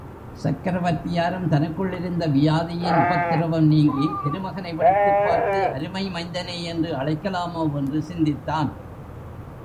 சக்கரவர்த்தியாரும் தனக்குள்ளிருந்த வியாதியின் உபத்திரவம் நீங்கித் திருமகனை விழித்துப் பார்த்து அருமை மைந்தனேயென்று அழைக்கலாமோ வென்று சிந்தித்தான்.